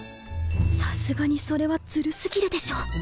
さすがにそれはズル過ぎるでしょ